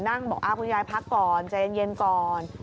บอกคุณยายพักก่อนใจเย็นก่อน